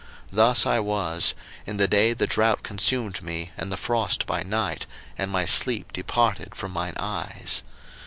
01:031:040 Thus I was; in the day the drought consumed me, and the frost by night; and my sleep departed from mine eyes.